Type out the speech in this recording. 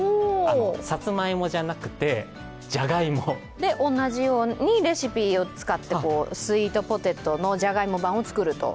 さつまいもじゃなくて、じゃがいもで、同じようにレシピを使ってスイートポテトのじゃがいも版を作ると。